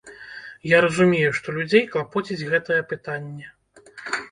Я разумею, што людзей клапоціць гэтае пытанне.